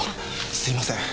すいません